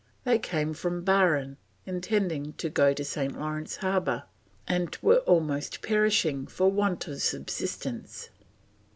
They came from Barin, intending to go to St. Lawrence Harbour, and were almost perishing for want of subsistence."